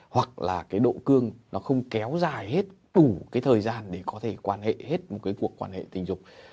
hoặc là cái độ cương nó không kéo dài hết đủ cái thời gian để có thể quan hệ hết một cái cuộc quan hệ tình dục